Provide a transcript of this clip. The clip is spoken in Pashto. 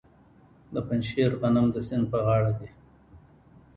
د پنجشیر غنم د سیند په غاړه دي.